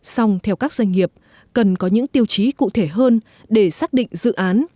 xong theo các doanh nghiệp cần có những tiêu chí cụ thể hơn để xác định dự án